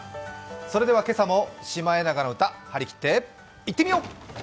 それでは今朝も「シマエナガの歌」張り切っていってみよう。